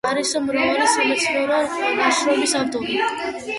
არის მრავალი სამეცნიერო ნაშრომის ავტორი.